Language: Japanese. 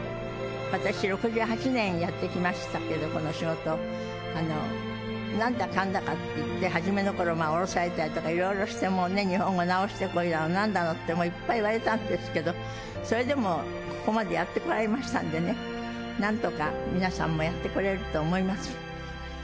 私６８年やってきましたけど、この仕事を、なんだかんだっていって、初めのころ、降ろされたりとかいろいろしてもうね、日本語直してこいだのなんだのって、いっぱい言われたんですけど、それでもここまでやってこられましたんでね、なんとか皆さんもやってこれると思います。